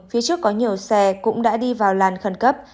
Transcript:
phía trước có nhiều xe cũng đã đi vào làn khẩn cấp